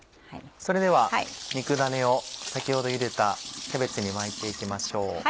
それでは肉ダネを先ほどゆでたキャベツに巻いて行きましょう。